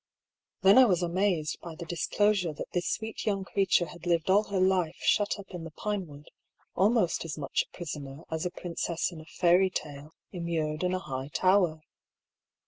Then I was amazed by the disclosure that this sweet young creature had lived all her life shut up in the Pine 36 I>R. PAULL'S THEORY. wood, almost as much a prisoner as a princess in a fairy tale immured in a high tower.